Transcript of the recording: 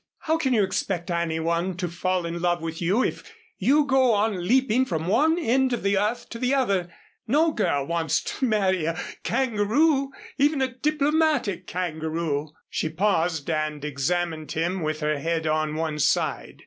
How can you expect anyone to fall in love with you if you go on leaping from one end of the earth to the other. No girl wants to marry a kangaroo even a diplomatic kangaroo." She paused and examined him with her head on one side.